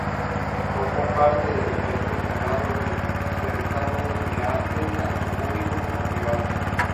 Formó parte de diversos jurados en certámenes de arte, tanto públicos como privados.